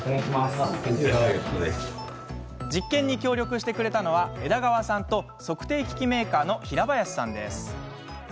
実験に協力してくれたのは枝川さんと測定機器メーカーの平林さんです。